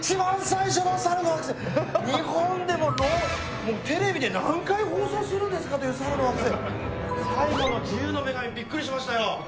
日本でもテレビで何回放送するんですかっていう『猿の惑星』最後の自由の女神びっくりしましたよ！